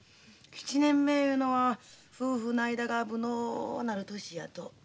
７年目いうのは夫婦の間が危のうなる年やとう。